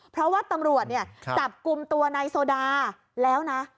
เพราะว่าตำรวจเนี่ยจับกลุ่มตัวนายโซดาแล้วนะ